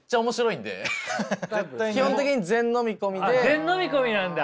全飲み込みなんだ！